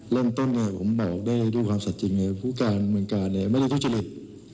เริ่มต้นผมบอกได้ด้วยความสัดจริงเลยผู้การเมืองการไม่ได้ทุจริต